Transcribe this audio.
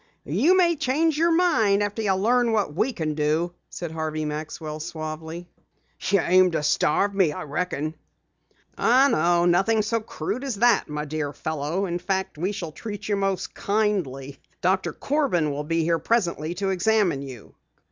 "You may change your mind after you learn what we can do," said Harvey Maxwell suavely. "You aim to starve me, I reckon." "Oh, no, nothing so crude as that, my dear fellow. In fact, we shall treat you most kindly. Doctor Corbin will be here presently to examine you."